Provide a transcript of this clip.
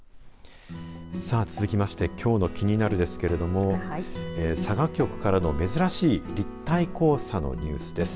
さあ、続きましてきょうのキニナル！ですけども佐賀局からの珍しい立体交差のニュースです。